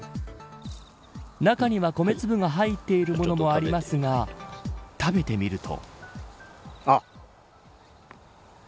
中には、米粒が入っているものもありますが食べてみると。